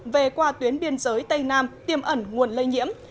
về qua tuyến biên giới tây nam tiêm ẩn nguồn lây nhiễm